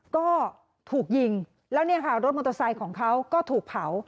ก็ถูกยิงแล้วเนี่ยค่ะรถมอเตอร์ไซค์ของเขาก็ถูกเผา